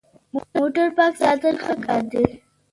موټر پاک ساتل ښه کار دی.